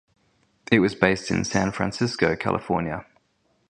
It was based in San Francisco, California.